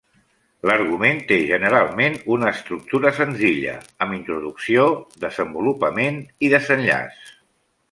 L'argument té generalment una estructura senzilla, amb introducció, desenvolupament i desenllaç.